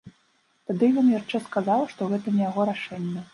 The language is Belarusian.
Тады ён яшчэ сказаў, што гэта не яго рашэнне.